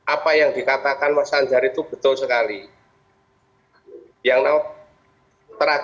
apa yang dikatakan masyarakat